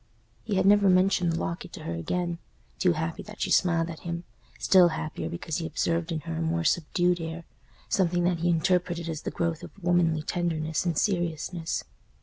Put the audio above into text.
He had never mentioned the locket to her again; too happy that she smiled at him—still happier because he observed in her a more subdued air, something that he interpreted as the growth of womanly tenderness and seriousness.